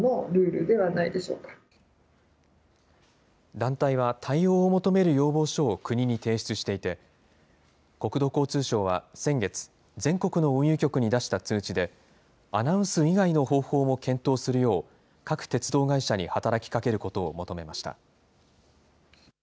団体は対応を求める要望書を国に提出していて、国土交通省は先月、全国の運輸局に出した通知で、アナウンス以外の方法も検討するよう、各鉄道会社に働きかけることを求めました。